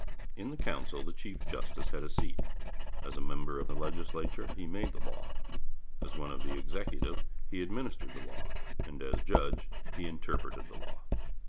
In the Council the chief justice had a seat. As a member of the Legislature he made the law; as one of the Executive he administered the law; and as judge he interpreted the law.